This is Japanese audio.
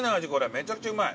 めちゃくちゃうまい。